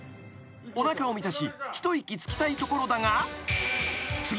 ［おなかを満たし一息つきたいところだが］